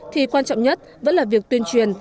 thì quan trọng nhất vẫn là việc tuyên truyền